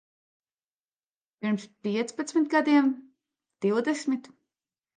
Pirms piecpadsmit gadiem? Divdesmit?